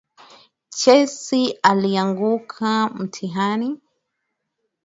Chesi alianguka mtihani.